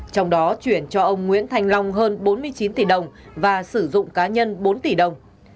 trong đó chuyển cho ông nguyễn thành long hơn bốn mươi chín tỷ đồng và sử dụng cá nhân bốn tỷ đồng